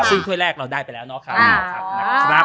ซึ่งถ้วยแรกเราได้ไปแล้วเนาะนะครับ